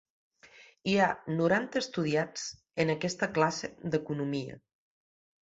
Hi ha noranta estudiants en aquesta classe d'Economia.